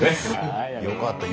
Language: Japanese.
よかった。